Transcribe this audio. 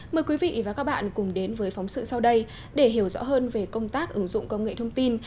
mời quý vị và các bạn cùng đến với phóng sự sau đây để hiểu rõ hơn về công tác ứng dụng công nghệ thông tin